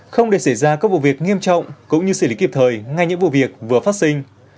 không để xảy ra các vụ việc nghiêm trọng cũng như xử lý kịp thời ngay những vụ việc vừa phát sinh